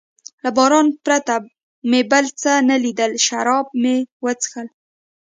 له باران پرته مې بل څه نه لیدل، شراب مې و څښل.